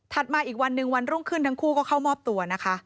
ถัดมาอีกวันหนึ่งวันร่วงขึ้นทั้งคู่เข้ามอบตัว